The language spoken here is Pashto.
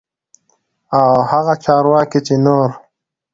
او هغه چارواکي چې نور